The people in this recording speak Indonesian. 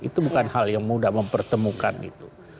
itu bukan hal yang mudah mempertemukan itu